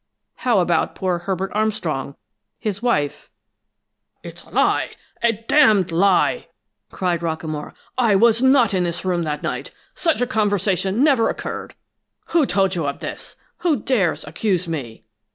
'How about poor Herbert Armstrong? His wife '" "It's a lie! A d d lie!" cried Rockamore. "I was not in this room that night! Such a conversation never occurred! Who told you of this? Who dares accuse me?"